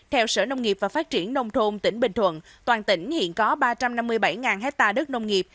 theo sở nông nghiệp và phát triển nông thôn tỉnh bình thuận toàn tỉnh hiện có ba trăm năm mươi bảy hectare đất nông nghiệp